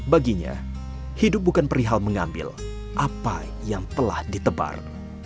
baginya hidup bukan perihal mengambil apa yang telah ditebar